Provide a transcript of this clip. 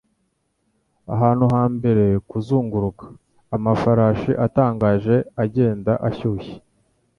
Ahantu ha mbere, kuzunguruka, amafarashi atangaje agenda ashyushye